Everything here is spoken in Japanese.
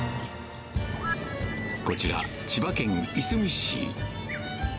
こちら、千葉県いすみ市。